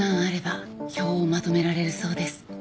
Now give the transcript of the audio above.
あれば票をまとめられるそうです。